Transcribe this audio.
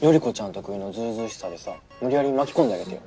特有のずうずうしさでさ無理やり巻き込んであげてよ。